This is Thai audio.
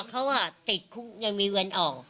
เขาว่าติดคุกยังมีวันออก